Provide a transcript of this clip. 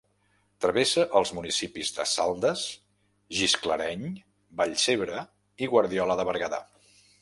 Travessa els municipis de Saldes, Gisclareny, Vallcebre i Guardiola de Berguedà.